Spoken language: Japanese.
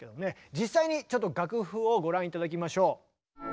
実際にちょっと楽譜をご覧頂きましょう。